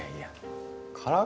いや